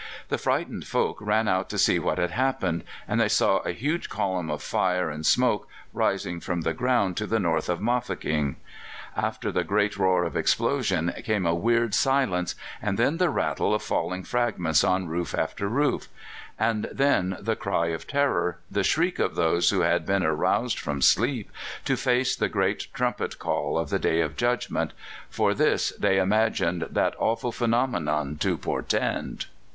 The frightened folk ran out to see what had happened, and they saw a huge column of fire and smoke rising from the ground to the north of Mafeking. After the great roar of explosion came a weird silence and then the rattle of falling fragments on roof after roof; and then the cry of terror, the shriek of those who had been aroused from sleep to face the great trumpet call of the Day of Judgment: for this they imagined that awful phenomenon to portend.